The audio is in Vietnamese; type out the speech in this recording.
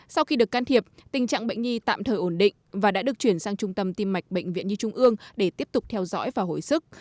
sau khi được can thiệp tình trạng bệnh nhi tạm thời ổn định và đã được chuyển sang trung tâm tim mạch bệnh viện nhi trung ương để tiếp tục theo dõi và hồi sức